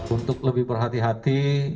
untuk lebih berhati hati